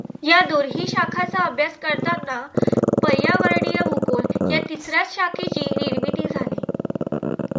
या दोन्ही शाखांचा अभ्यास करतांना पर्यावरणीय भूगोल या तिसऱ्याच शाखेची निर्मिती झाली.